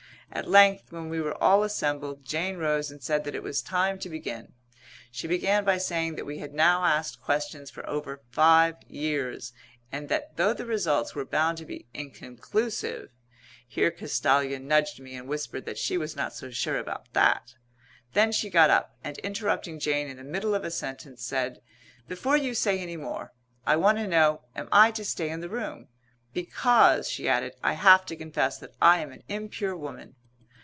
At length, when we were all assembled, Jane rose and said that it was time to begin. She began by saying that we had now asked questions for over five years, and that though the results were bound to be inconclusive here Castalia nudged me and whispered that she was not so sure about that. Then she got up, and, interrupting Jane in the middle of a sentence, said: "Before you say any more, I want to know am I to stay in the room? Because," she added, "I have to confess that I am an impure woman."